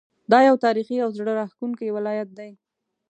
دا یو تاریخي او زړه راښکونکی ولایت دی.